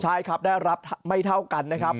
ใช่ครับได้รับไม่เท่ากันนะครับ